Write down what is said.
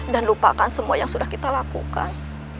dan lupakan semua yang sudah kita lakukan